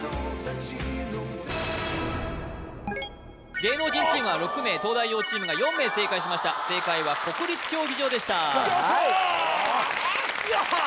芸能人チームは６名東大王チームが４名正解しました正解は国立競技場でしたやったー！